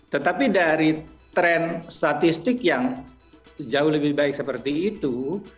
tetapi dari tren statistik yang jauh lebih baik seperti itu